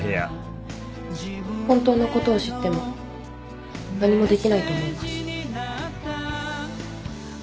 本当のことを知っても何もできないと思います。